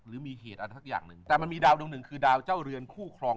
หรือมีเหตุอะไรสักอย่างหนึ่งแต่มันมีดาวดวงหนึ่งคือดาวเจ้าเรือนคู่ครอง